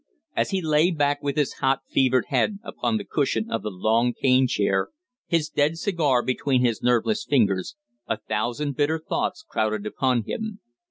As he lay back with his hot, fevered head upon the cushion of the long cane chair, his dead cigar between his nerveless fingers, a thousand bitter thoughts crowded upon him.